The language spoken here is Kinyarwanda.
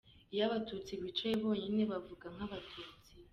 Iyo Abatutsi bicaye bonyine bavuga nk’Abatutsi.